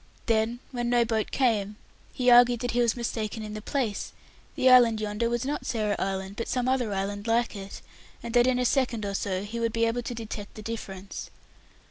Then, when no boat came, he argued that he was mistaken in the place; the island yonder was not Sarah Island, but some other island like it, and that in a second or so he would be able to detect the difference.